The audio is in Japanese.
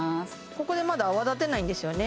ここでまだ泡立てないんですよね